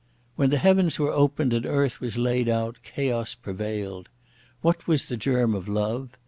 When the Heavens were opened and earth was laid out chaos prevailed! What was the germ of love?